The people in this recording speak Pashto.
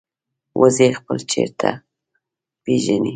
وزې خپل چرته پېژني